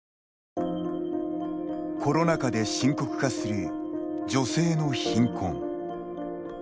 コロナ禍で深刻化する女性の貧困。